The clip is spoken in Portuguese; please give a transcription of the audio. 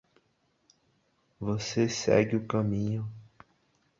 Você segue o caminho